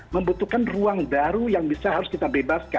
membutuhkan ruang baru yang bisa harus kita bebaskan